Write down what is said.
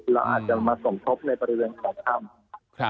เราอาจจะมาสมทบในบริเวณของถ้ำ